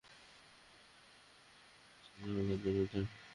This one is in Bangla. আমি হায়দ্রাবাদে বোমা হামলার জন্য দায়ী।